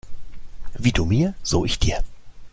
Wie du mir so ich dir.